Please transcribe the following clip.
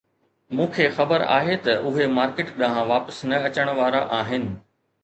مون کي خبر آهي ته اهي مارڪيٽ ڏانهن واپس نه اچڻ وارا آهن